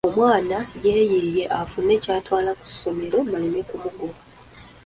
Omwana yeeyiiye afune ky'atwala ku ssomero baleme kumugoba.